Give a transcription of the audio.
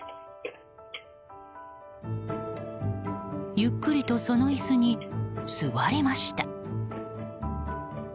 ゆっくりとその椅子に座りました。